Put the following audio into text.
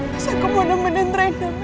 mas aku mau nemenin rena